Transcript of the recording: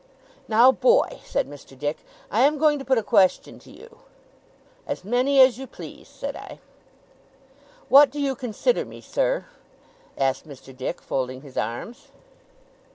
'Now, boy,' said Mr. Dick, 'I am going to put a question to you.' 'As many as you please,' said I. 'What do you consider me, sir?' asked Mr. Dick, folding his arms.